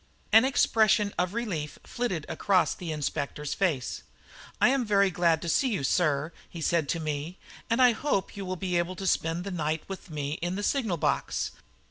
An expression of relief flitted across the inspector's face. "I am very glad to see you, sir," he said to me, "and I hope you will be able to spend the night with me in the signal box.